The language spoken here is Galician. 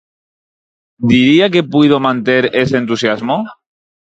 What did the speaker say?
Diría que puido manter ese entusiasmo?